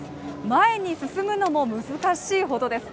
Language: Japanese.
前に進むのも難しいほどです。